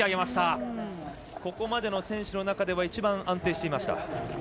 ここまでの選手の中では一番、安定していました。